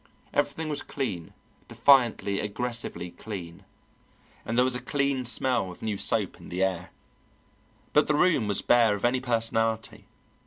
Everything was clean, defiantly, aggressively clean, and there was a clean smell of new soap in the air. But the room was bare of any personality.